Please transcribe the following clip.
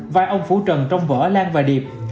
vai ông phú trần trong vở lan và điệp